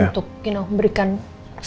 untuk you know memberikan security dan